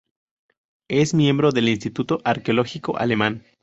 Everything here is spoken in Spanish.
Es miembro del Instituto Arqueológico Alemán.